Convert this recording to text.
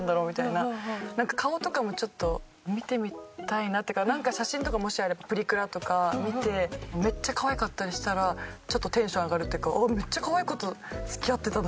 なんか顔とかもちょっと見てみたいなっていうかなんか写真とかもしあればプリクラとか見てめっちゃかわいかったりしたらテンション上がるっていうか「めっちゃかわいい子と付き合ってたんだ。